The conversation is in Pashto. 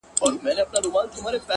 له نننۍ هڅې سبا جوړېږي